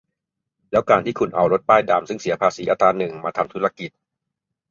แล้วการที่คุณเอารถป้ายดำซึ่งเสียภาษีอัตราหนึ่ง มาทำธุรกิจ